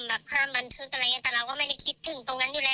ก็ไม่ได้ก็วางไว้แล้วเขาบอกว่าเนี้ยถ้าเกิดมีพูดหลุดไปหรืออะไรอย่างเงี้ย